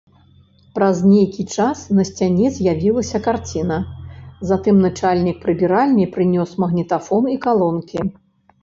Праз нейкі час на сцяне з'явілася карціна, затым начальнік прыбіральні прынёс магнітафон і калонкі.